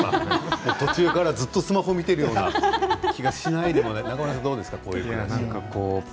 途中からずっとスマホを見ているような気がしないでもないですね。